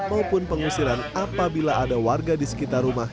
maupun pengusiran apabila ada warga di sekitar rumah